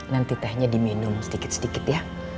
nanti tehnya diminum sedikit sedikit ya